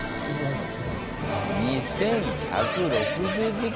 ２，１６０時間を。